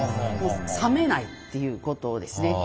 冷めないっていうことですね。